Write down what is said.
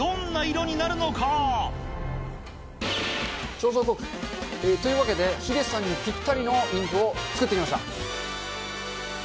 調査報告。というわけで、ヒデさんにぴったりのインクを作ってきました。